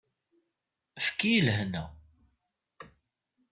Efk-iyi lehna!